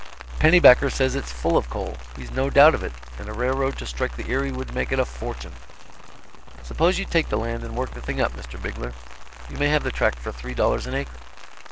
"Pennybacker says it's full of coal, he's no doubt of it, and a railroad to strike the Erie would make it a fortune." "Suppose you take the land and work the thing up, Mr. Bigler; you may have the tract for three dollars an acre."